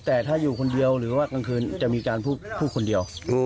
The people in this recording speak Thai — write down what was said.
แต่ถ้าอยู่คนเดียวหรือว่ากลางคืนจะมีการพูดคนเดียว